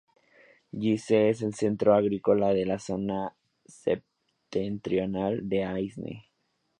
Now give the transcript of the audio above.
Guise es el centro agrícola de la zona septentrional de Aisne.